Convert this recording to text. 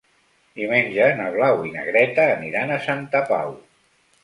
Diumenge na Blau i na Greta aniran a Santa Pau.